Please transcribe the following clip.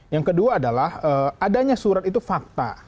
yang kedua adalah adanya surat itu fakta